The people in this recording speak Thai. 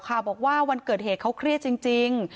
บอกว่าวันเกิดเหตุเขาเครียดจริง